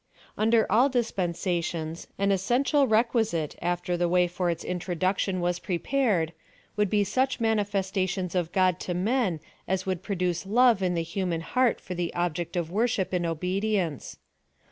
Under all dispensations, an essential requisite after tlie way for its introduction was prepared, would be such manifestations of God to men as would pro duce love in the human heart for the object of wor ship and obedience.